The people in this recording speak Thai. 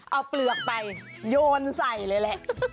เอาเปลือกไปโยนใส่เลยแหละ